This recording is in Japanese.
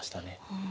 うん。